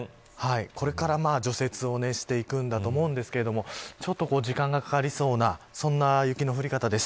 これから除雪をしていくんだと思うんですけどちょっと時間がかかりそうなそんな雪の降り方です。